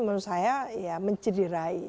menurut saya ya mencederai